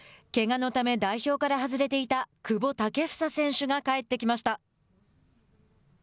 けがのため代表から外れていた久保建英選手が帰ってきました。